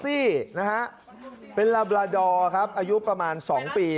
ซี่นะฮะเป็นลาบราดอร์ครับอายุประมาณ๒ปี